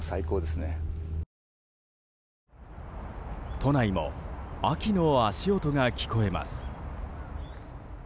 都内も秋の足音が聞こえます。